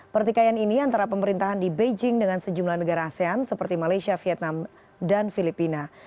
pertikaian ini antara pemerintahan di beijing dengan sejumlah negara asean seperti malaysia vietnam dan filipina